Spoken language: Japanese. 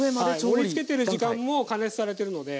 盛りつけてる時間も加熱されてるので。